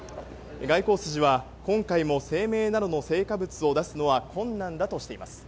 外交筋は今回も声明などの成果物を出すのは困難だとしています。